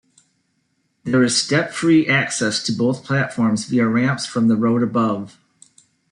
There is step-free access to both platforms via ramps from the road above.